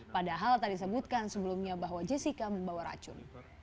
padahal tadi disebutkan sebelumnya bahwa jessica membawa racun